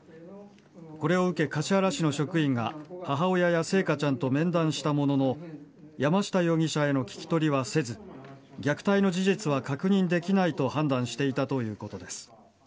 これを受け、橿原市の職員が母親や星華ちゃんと面談したものの山下容疑者への聞き取りはせず虐待の事実は確認できないと判断していたということです。